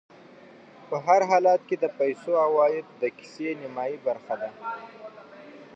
په هر حالت کې د پیسو عوايد د کيسې نیمایي برخه ده